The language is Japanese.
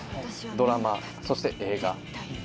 ドラマそして映画。